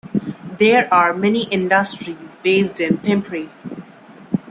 There are many industries based in Pimpri.